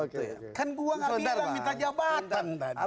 kan gua gak bilang minta jabatan tadi